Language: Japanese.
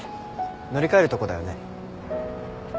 乗り換えるとこだよね？